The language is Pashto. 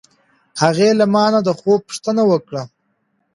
هغې له ما نه د خوب پوښتنه وکړه.